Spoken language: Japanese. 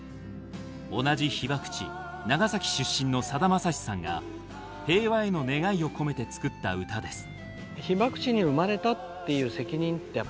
同じ被爆地長崎出身のさだまさしさんが平和への願いを込めて作った歌です。